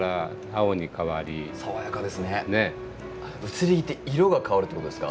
「移り気」って色が変わるって事ですか？